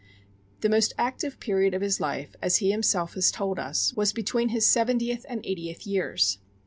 The most active period of his life, as he himself has told us, was between his seventieth and his eightieth years.